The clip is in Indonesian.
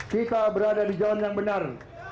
kita berada di jalan yang benar